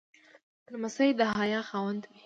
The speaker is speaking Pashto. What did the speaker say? لمسی د حیا خاوند وي.